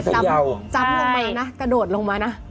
จับลงมานะกระโดดลงมานะใช่